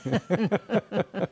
ハハハハ！